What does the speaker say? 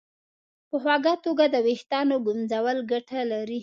په خوږه توګه د ویښتانو ږمنځول ګټه لري.